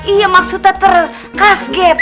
iya maksudnya terkasget